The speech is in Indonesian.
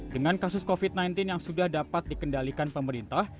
dengan kasus covid sembilan belas yang sudah dapat dikendalikan pemerintah